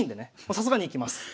さすがにいきます。